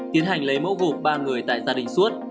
tiến hành lấy mẫu gộp ba người tại gia đình suốt